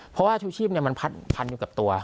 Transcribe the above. เพราะว่าชูชีพเนี่ยมันพัดทันอยู่กับตัว